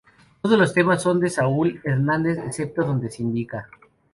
Todos los temas son de Saúl Hernández excepto donde se indica.